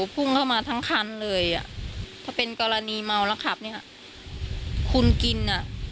พุ่งเข้ามาทั้งคันเลยอ่ะถ้าเป็นกรณีเมาแล้วขับเนี่ยคุณกินอ่ะ